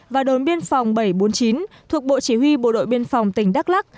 và đồn biên phòng bảy trăm bốn mươi chín thuộc bộ chỉ huy bộ đội biên phòng tỉnh đắk lắc